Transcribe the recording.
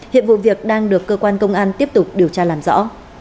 hiện vụ việc đang được cơ quan công an tiếp tục điều tra làm rõ